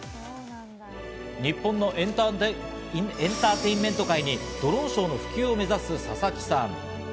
日本のエンターテインメント界にドローンショーの普及を目指す佐々木さん。